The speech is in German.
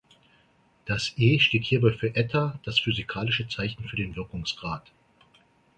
Das „e“ steht hierbei für „eta“, das physikalische Zeichen für den Wirkungsgrad.